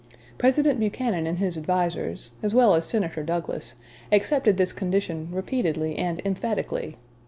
President Buchanan and his advisers, as well as Senator Douglas, accepted this condition repeatedly and emphatically.